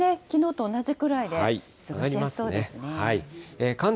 もう日中はね、きのうと同じくらいで過ごしやすそうですね。